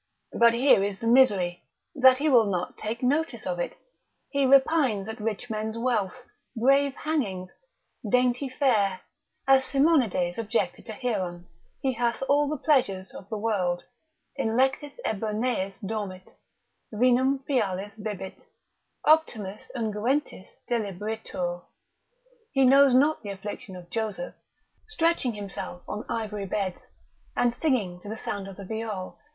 But here is the misery, that he will not take notice of it; he repines at rich men's wealth, brave hangings, dainty fare, as Simonides objected to Hieron, he hath all the pleasures of the world, in lectis eburneis dormit, vinum phialis bibit, optimis unguentis delibuitur, he knows not the affliction of Joseph, stretching himself on ivory beds, and singing to the sound of the viol.